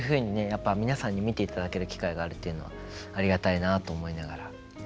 やっぱり皆さんに見ていただける機会があるというのはありがたいなと思いながら。